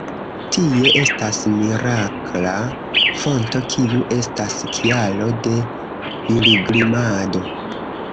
Tie estas mirakla fonto kiu estas kialo de pilgrimado.